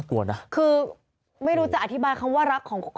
แต่เขารถมันลมแล้วเอาน้ำมันจัดรถ